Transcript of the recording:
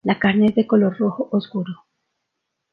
La carne es de color rojo oscuro.